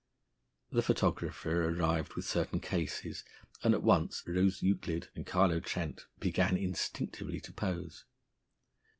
The photographer arrived with certain cases, and at once Rose Euclid and Carlo Trent began instinctively to pose.